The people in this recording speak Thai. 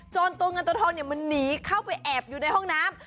ตัวเงินตัวทองมันหนีเข้าไปแอบอยู่ในห้องน้ำ